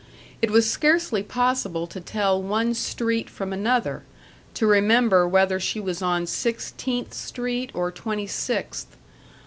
It was scarcely possible to tell one street from another; to remember whether she was on Sixteenth Street or Twenty sixth.